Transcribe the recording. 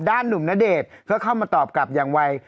หนุ่มณเดชน์ก็เข้ามาตอบกลับอย่างไว